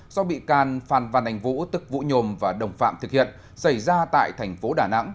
do bị can phan văn anh vũ tức vũ nhôm và đồng phạm thực hiện xảy ra tại thành phố đà nẵng